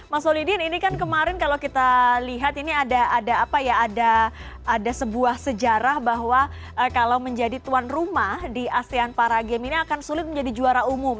mas solidin ini kan kemarin kalau kita lihat ini ada sebuah sejarah bahwa kalau menjadi tuan rumah di asean para games ini akan sulit menjadi juara umum